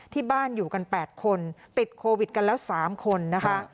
ที่บ้านอยู่กัน๘คนติดโควิดกันแล้ว๓คนนะคะ